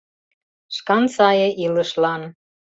Шкан сае илышлан